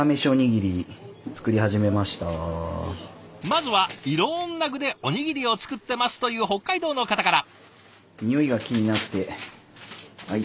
まずはいろんな具でおにぎりを作ってますという北海道の方から。